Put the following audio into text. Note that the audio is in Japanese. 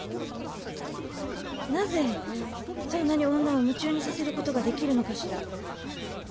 なぜそんなに女を夢中にさせる事ができるのかしら？